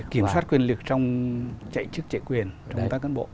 kiểm soát quyền lực trong chạy chức chạy quyền công tác cán bộ